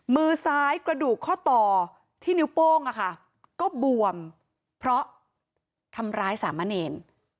มือซ้ายกระดูกข้อต่อที่นิ้วโป้งอะค่ะก็บวมเพราะทำร้ายสามะเนร